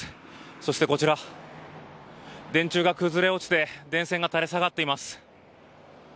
そして、こちら電柱が崩れ落ちて電線が垂れ下がっています。